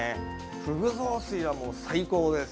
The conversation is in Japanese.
フグ雑炊は、もう最高です。